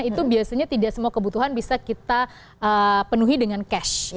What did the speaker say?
itu biasanya tidak semua kebutuhan bisa kita penuhi dengan cash